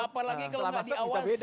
apalagi kalau gak diawasi